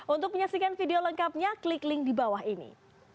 untuk menyaksikan video lengkapnya klik link di bawah ini